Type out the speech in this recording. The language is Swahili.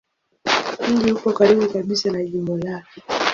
Mji upo karibu kabisa na jimbo lake.